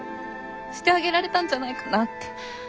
してあげられたんじゃないかなって。